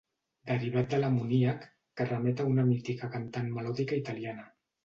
Derivat de l'amoníac que remet a una mítica cantant melòdica italiana.